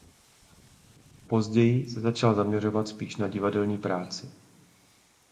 Později se začal zaměřovat spíš na divadelní práci.